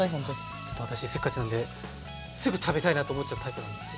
ちょっと私せっかちなんですぐ食べたいなと思っちゃうタイプなんですけど。